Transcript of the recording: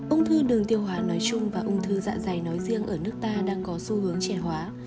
ung thư đường tiêu hóa nói chung và ung thư dạ dày nói riêng ở nước ta đang có xu hướng trẻ hóa